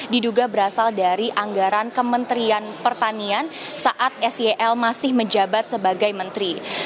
diduga berasal dari anggaran kementerian pertanian saat sel masih menjabat sebagai menteri